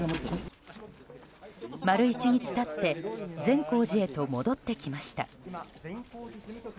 丸１日経って善光寺へと戻ってきました。